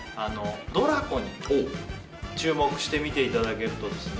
ドラコに注目して見ていただけるとですね